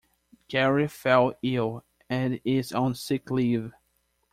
Gary fell ill and is on sick leave.